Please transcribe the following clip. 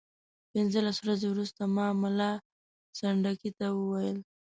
پنځلس ورځې وروسته ما ملا سنډکي ته وویل.